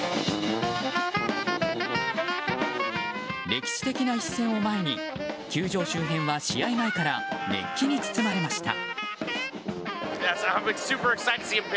歴史的な一戦を前に、球場周辺は試合前から熱気に包まれました。